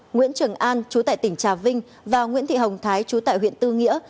nguyễn trường an chú tại tỉnh trà vinh và nguyễn thị hồng thái chú tại huyện tư nghĩa